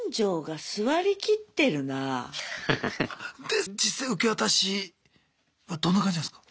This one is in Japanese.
で実際受け渡しはどんな感じなんすか？